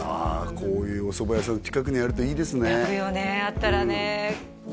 こういうおそば屋さん近くにあるといいですね行くよねあったらね